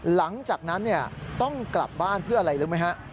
หลังจากนั้นต้องกลับบ้านเพื่ออะไรรู้ไหมฮะ